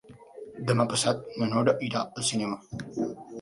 Demà passat na Nora irà al cinema.